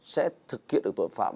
sẽ thực hiện được tội phạm